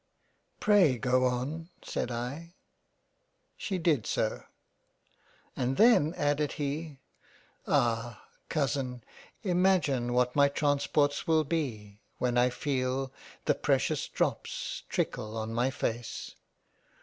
" Pray go on." said I. She did so. '■ And then added he, Ah ! Cousin imagine what my trans ports will be when I feel the dear precious drops trickle on my face